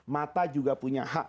mata juga punya hak